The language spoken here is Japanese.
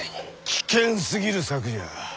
危険すぎる策じゃ。